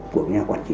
cuộc nhà quản trị